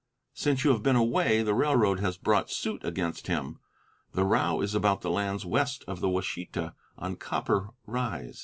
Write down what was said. Since you have been away the railroad has brought suit against him. The row is about the lands west of the Washita, on Copper Rise.